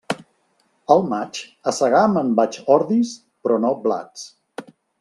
Al maig, a segar me'n vaig ordis però no blats.